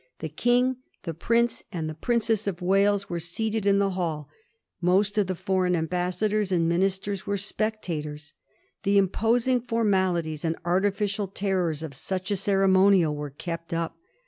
The King, the Prince and the Princess of Wales were seated in the Hall ; most of the foreign ambassadors and ministers were spectators. The imposing formalities and artificial terrors of such a ceremonial were kept up.